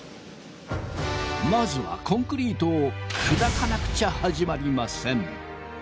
まずはコンクリートを砕かなくちゃ始まりません。